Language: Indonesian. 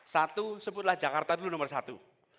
satu sebutlah jakarta dulu nomor satu